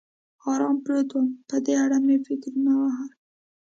ارام پروت ووم، په دې اړه مې فکرونه وهل.